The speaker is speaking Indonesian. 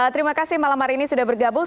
terima kasih malam hari ini sudah bergabung